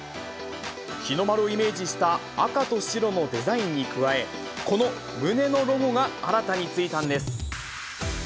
日の丸をイメージした赤と白のデザインに加え、この胸のロゴが新たに付いたんです。